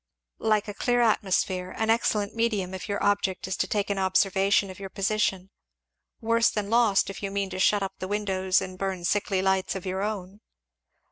"Like a clear atmosphere an excellent medium if your object is to take an observation of your position worse than lost if you mean to shut up the windows and burn sickly lights of your own."